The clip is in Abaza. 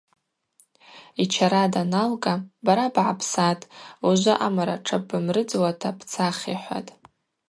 Йчара даналга – Бара бгӏапсатӏ, ужвы амара тшабмыррыдзуата бцах, – йхӏватӏ.